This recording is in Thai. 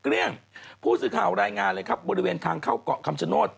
ผู้สื่อข่าวรายงานเลยครับบริเวณทางเข้าเกาะคำชโนธ